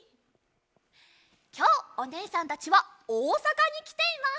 きょうおねえさんたちはおおさかにきています！